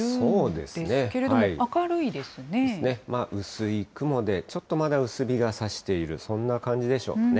ですね、薄い雲でちょっとまだ薄日がさしている、そんな感じでしょうかね。